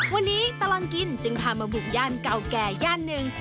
วันนี้ตลอดกินจึงพามาบุกย่านเก่าแก่ย่านหนึ่ง